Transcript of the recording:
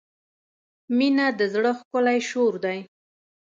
• مینه د زړۀ ښکلی شور دی.